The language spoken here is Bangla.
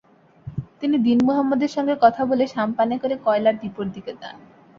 তিনি দীন মোহাম্মদের সঙ্গে কথা বলে সাম্পানে করে কয়লার ডিপোর দিকে যান।